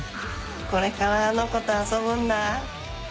これからあの子と遊ぶんだ。